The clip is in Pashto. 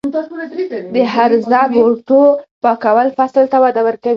د هرزه بوټو پاکول فصل ته وده ورکوي.